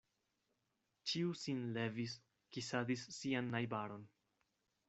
Ĉiu sin levis, kisadis sian najbaron.